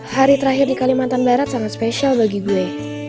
hari terakhir di kalimantan barat sangat spesial bagi gue